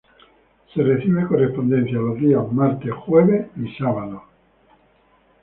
Se recibe correspondencia los días martes, jueves y sábado.